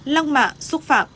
lăng mạ xúc phạm